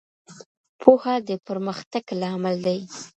پوهه د پرمختګ لامل ده.